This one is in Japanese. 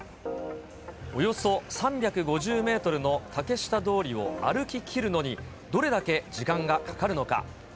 およそ３５０メートルの竹下通りを歩ききるのにどれだけ時間がかかるのか。